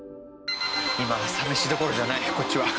今朝メシどころじゃないこっちは。